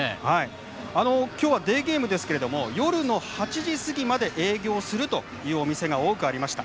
今日はデーゲームですけど夜の８時過ぎまで営業するというお店が多くありました。